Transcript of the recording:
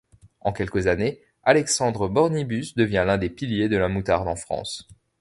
En quelques années, Alexandre Bornibus devient l'un des piliers de la moutarde en France.